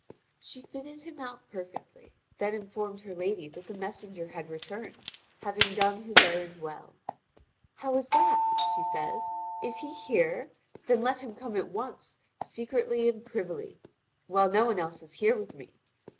She fitted him out perfectly, then informed her lady that the messenger had returned, having done his errand well. "How is that?" she says, "is he here? Then let him come at once, secretly and privily, while no one is here with me.